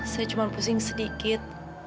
saya cuma pusing sedikit